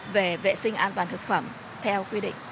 về vệ sinh an toàn thực phẩm theo quy định